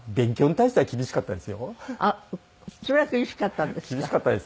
あっそれは厳しかったんですか？